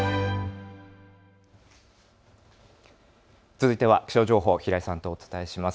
続いては気象情報、平井さんとお伝えします。